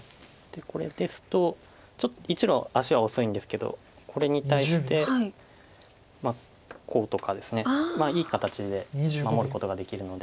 これですとちょっと１路足は遅いんですけどこれに対してこうとかですねいい形で守ることができるので。